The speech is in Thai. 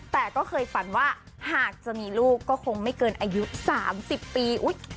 แต่ก็เคยฝันว่าหากจะมีลูกก็คงไม่เกินอายุ๓๐ปี